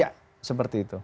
ya seperti itu